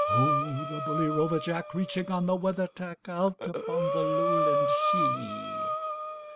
Ho, the bully rover Jack, Reaching on the weather tack, Out upon the Lowland sea!